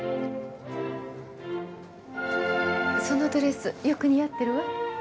そのドレスよく似合ってるわ。